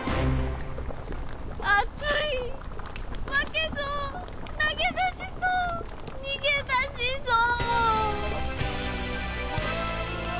熱い負けそう投げ出しそう逃げ出しそう。